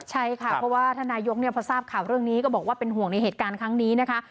ใช่ค่ะเพราะว่าท่านนายกพอทราบข่าวเรื่องนี้ก็บอกว่าเป็นห่วงในเหตุการณ์ครั้งนี้นะคะ